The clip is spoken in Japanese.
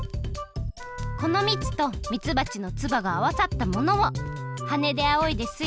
このみつとみつばちのツバがあわさったものをはねであおいです